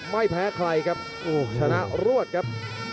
ไม่แพ้ใครครับถูกชนะรวดครับ